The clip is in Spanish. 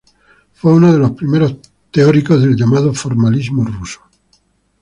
Fue uno de los primeros teóricos del llamado formalismo ruso.